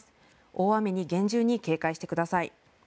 大雨に厳重に警戒してください。